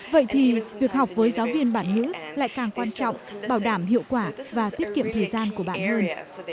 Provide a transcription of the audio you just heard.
vậy thì việc học với giáo viên bản ngữ lại càng quan trọng bảo đảm hiệu quả và tiết kiệm thời gian của bạn hơn